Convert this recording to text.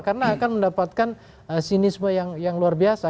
karena akan mendapatkan sinisme yang luar biasa